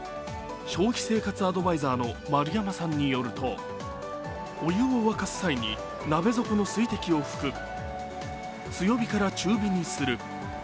消費生活アドバイザーの丸山さんによるとお湯を沸かす際に鍋底の水滴を拭く、強火から中火にする。